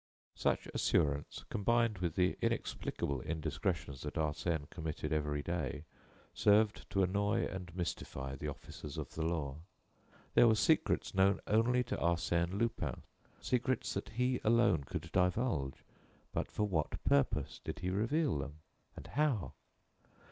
Such assurance combined with the inexplicable indiscretions that Arsène committed every day served to annoy and mystify the officers of the law. There were secrets known only to Arsène Lupin; secrets that he alone could divulge. But for what purpose did he reveal them? And how?